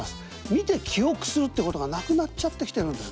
見て記憶するってことがなくなっちゃってきてるんですね。